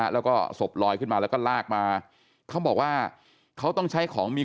แล้วก็ศพลอยขึ้นมาแล้วก็ลากมาเขาบอกว่าเขาต้องใช้ของมี